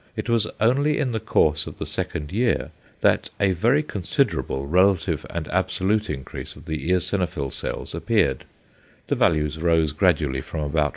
It was only in the course of the second year that a very considerable relative and absolute increase of the eosinophil cells appeared: the values rose gradually from about 1.